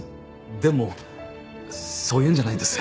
でもそういうんじゃないんです。